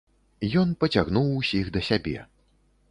Ён пацягнуў усіх да сябе.